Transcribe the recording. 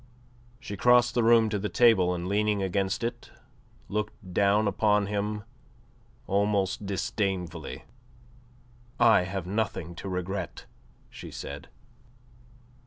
She crossed the room to the table, and leaning against it, looked down upon him almost disdainfully. "I have nothing to regret," she said.